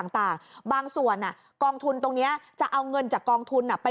ต่างบางส่วนกองทุนตรงนี้จะเอาเงินจากกองทุนไป